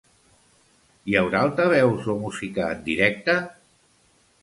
Hi haurà altaveus o música en directe?